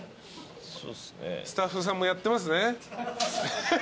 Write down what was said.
スタッフさんもやってますね。